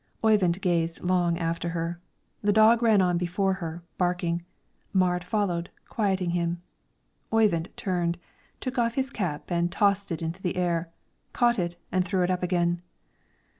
Oyvind gazed long after her. The dog ran on before her, barking; Marit followed, quieting him. Oyvind turned, took off his cap and tossed it into the air, caught it, and threw it up again.